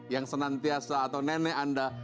yang senantiasa atau nenek anda